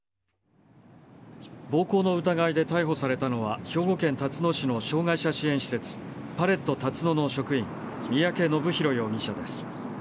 暴行の疑いで逮捕されたのは、兵庫県たつの市の障害者支援施設、パレットたつのの職員、三宅のぶひろ容疑者です。